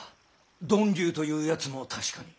呑龍というやつも確かに。